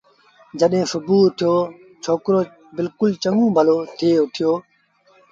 جڏهيݩ سُڀو ٿيو ڇوڪرو بلڪُل چڱوُن ڀلو ٿئي اُٿيو